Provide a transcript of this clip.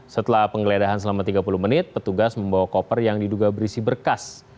setelah penggeledahan selama tiga puluh menit petugas membawa koper yang diduga berisi berkas